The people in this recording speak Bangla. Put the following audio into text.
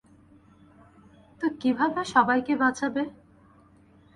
তো কিভাবে সবাইকে বাঁচাবে?